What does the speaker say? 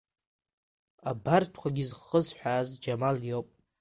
Абарҭқәагьы зхысҳәааз Џьамал иоуп.